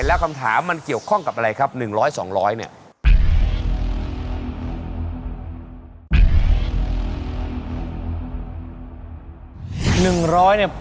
แล้วคำถามมันเกี่ยวข้องกับอะไรครับ๑๐๐๒๐๐เนี่ย